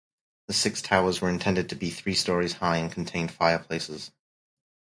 The six towers were intended to be three storeys high and contained fireplaces.